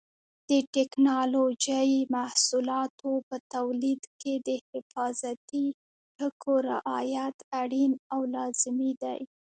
د ټېکنالوجۍ محصولاتو په تولید کې د حفاظتي ټکو رعایت اړین او لازمي دی.